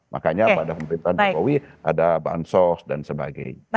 makanya pada pemerintahan jokowi ada bansos dan sebagainya